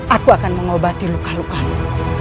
aku akan mengobati luka lukamu